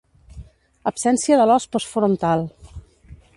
Absència de l'os postfrontal.